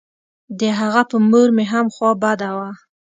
د هغه په مور مې هم خوا بده وه.